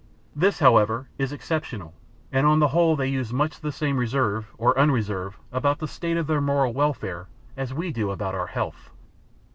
This however is exceptional; and on the whole they use much the same reserve or unreserve about the state of their moral welfare as we do about our health.